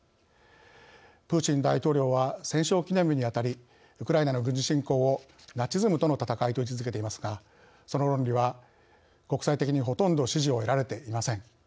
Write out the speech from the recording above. プーチン大統領は戦勝記念日にあたりウクライナの軍事侵攻をナチズムとの戦いと位置づけていますがその論理は国際的にほとんど支持を得られていません。